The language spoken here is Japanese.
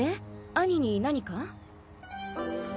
兄に何か？